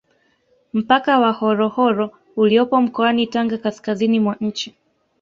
Mpaka wa Horohoro uliopo mkoani Tanga kaskazini mwa nchi